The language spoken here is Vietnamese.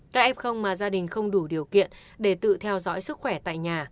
các f mà gia đình không đủ điều kiện để tự theo dõi sức khỏe tại nhà